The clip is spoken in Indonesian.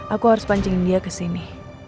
aku harus pancing dia ke sini